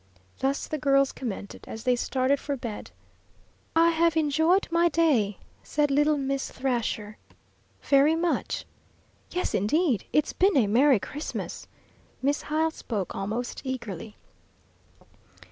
Thus the girls commented as they started for bed. "I have enjoyed my day," said little Miss Thrasher, "very much." "Yes, indeed, it's been a merry Christmas." Miss Hyle spoke almost eagerly.